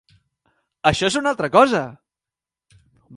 Això és una altra cosa!